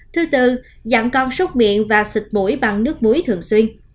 thứ tư dặn con xúc miệng và xịt mũi bằng nước muối thường xuyên